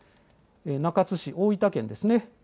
中津市、大分県ですね。